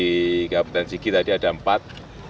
di kabupaten sigi tadi ada empat